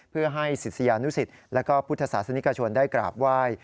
เพื่อให้ศิษยานุสิตและพุทธศาสนิกชนได้กราบไหว้